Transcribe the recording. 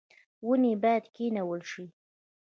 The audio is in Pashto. ونې باید کینول شي